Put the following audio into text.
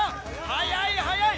速い速い！